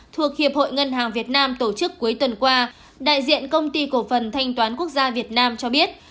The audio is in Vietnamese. thuộc hiệp hội ngân hàng việt nam tổ chức cuối tuần qua đại diện công ty cổ phần thanh toán quốc gia việt nam cho biết